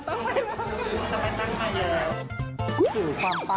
อันนี้ต้องมา